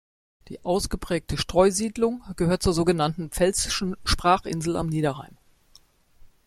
Die ausgeprägte Streusiedlung gehört zur sogenannten pfälzischen Sprachinsel am Niederrhein.